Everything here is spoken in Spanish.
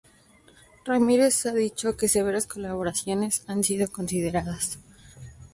Ramírez ha dicho que severas colaboraciones han sido consideradas.